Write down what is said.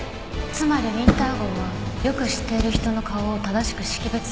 つまりウィンター号はよく知っている人の顔を正しく識別する事ができるの。